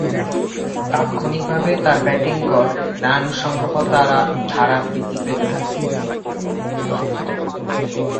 তাৎক্ষণিকভাবে তার ব্যাটিং গড়, রান সংগ্রহ ধারা বৃদ্ধি পেতে থাকে।